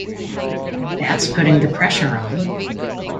That's putting the pressure on.